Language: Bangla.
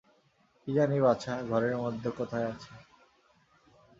কী জানি বাছা, ঘরের মধ্যে কোথায় আছে।